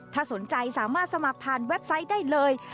ถ้าสนใจสามารถสมัครผ่านเว็บไซต์ได้เลย